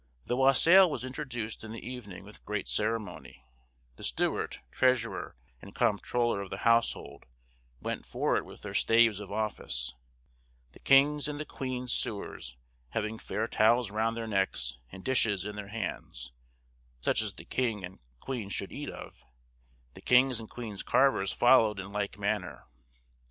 The wassail was introduced in the evening with great ceremony: the steward, treasurer, and comptroller of the household went for it with their staves of office; the king's and the queen's sewers, having fair towels round their necks, and dishes in their hands, such as the king and queen should eat of; the king's and queen's carvers following in like manner.